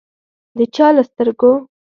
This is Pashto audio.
د چا له سترګو